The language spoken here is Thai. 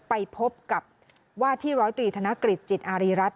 ไปพบกับว่าที่ร้อยตรีธนกฤษจิตอารีรัฐ